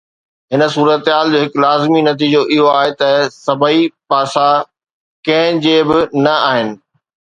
هن صورتحال جو هڪ لازمي نتيجو اهو آهي ته سڀئي پاسا ڪنهن جي به نه آهن.